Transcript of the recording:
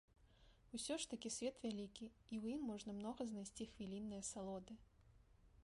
Усё ж такі свет вялікі, і ў ім можна многа знайсці хвіліннай асалоды.